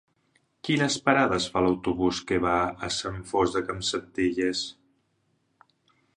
Quines parades fa l'autobús que va a Sant Fost de Campsentelles?